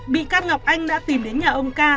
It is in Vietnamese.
bị can ngọc anh đã tìm đến nhà ông ca